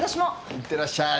いってらっしゃい。